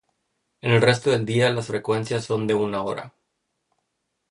En el resto del día, las frecuencias son de una hora.